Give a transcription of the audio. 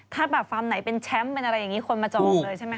ถ้าแบบฟาร์มไหนเป็นแชมป์เป็นอะไรอย่างนี้คนมาจองเลยใช่ไหม